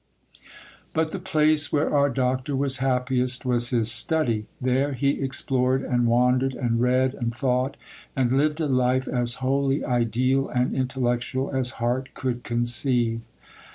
But the place where our Doctor was happiest was his study. There he explored, and wandered, and read, and thought, and lived a life as wholly ideal and intellectual as heart could conceive.